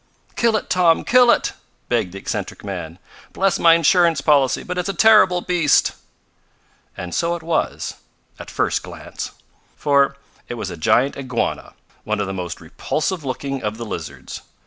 "Kill it, Tom! Kill it!" begged the eccentric man. "Bless my insurance policy, but it's a terrible beast!" And so it was, at first glance. For it was a giant iguana, one of the most repulsive looking of the lizards.